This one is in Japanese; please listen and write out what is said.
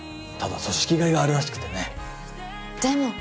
ただ組織替えがあるらしくてね。